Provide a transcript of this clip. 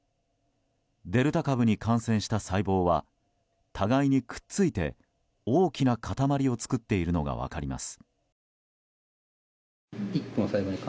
デルタ株に感染した細胞は互いにくっついて大きな塊を作っているのが分かります。